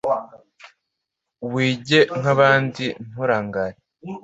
wige nk’abandi nturangare,